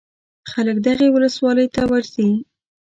خلک دغې ولسوالۍ ته ورځي.